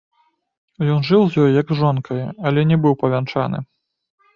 Ён жыў з ёй як з жонкай, але не быў павянчаны.